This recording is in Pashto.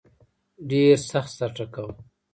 ډېر سخت سر ټکاوه.